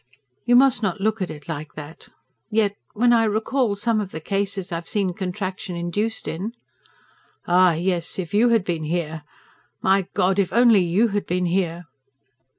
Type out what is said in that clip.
"You must not look at it like that. Yet, when I recall some of the cases I've seen contraction induced in ..." "Ah yes, if you had been here ... my God, if only you had been here!"